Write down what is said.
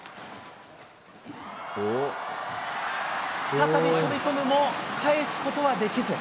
再び飛び込むも、返すことはできず。